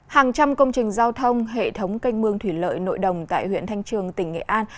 hàng trăm công trình giao thông hệ thống canh mương thủy lợi nội đồng tại huyện thanh trường tỉnh nghệ an